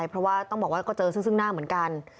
เพราะว่าต้องบอกว่าก็เจอซึ่งหน้าเหมือนกัน